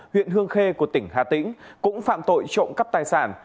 huyện hương khê của tỉnh hà tĩnh cũng phạm tội trộm cắp tài sản